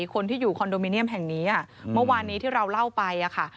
คนที่อยู่คอนโดมิเนียมแห่งนี้เมื่อวานนี้ที่เราเล่าไปค่ะ